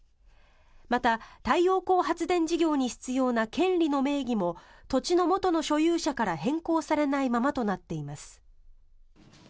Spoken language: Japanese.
また、太陽光発電事業に必要な権利の名義も土地のもとの所有者から変更されないままとなっています。